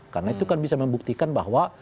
karena itu kan bisa membuktikan bahwa